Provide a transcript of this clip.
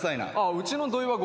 うちの土井は５６。